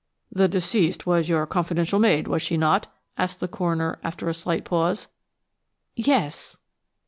"The deceased was your confidential maid, was she not?" asked the coroner, after a slight pause. "Yes."